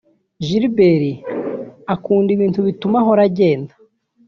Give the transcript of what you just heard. Gilbert akunda ibintu bituma ahora agenda